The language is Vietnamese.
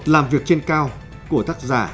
làm việc trên cao của tác giả